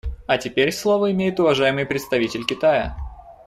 А теперь слово имеет уважаемый представитель Китая.